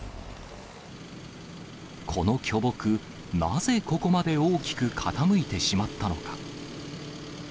この巨木、なぜここまで大きく傾いてしまったのか。